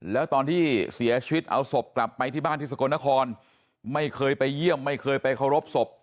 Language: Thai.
แล้วตอนที่เสียชีวิตเอาศพกลับไปที่บ้านที่สกลนครไม่เคยไปเยี่ยมไม่เคยไปเคารพศพ